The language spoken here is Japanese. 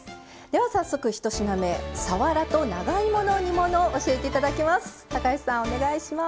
早速１品目さわらと長芋の煮物を教えていただきます。